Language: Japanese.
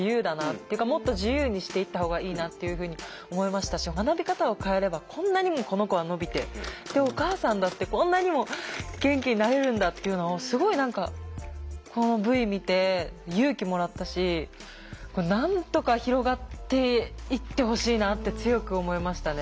っていうかもっと自由にしていったほうがいいなっていうふうに思いましたし学び方を変えればこんなにもこの子は伸びてお母さんだってこんなにも元気になれるんだっていうのをすごい何かこのＶ見て勇気もらったしなんとか広がっていってほしいなって強く思いましたね。